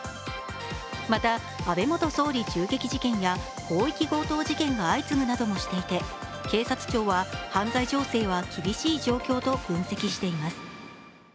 また、安倍元総理襲撃事件や広域強盗事件が相次ぐなどもしていて警察庁は犯罪情勢は厳しい状況と分析しています。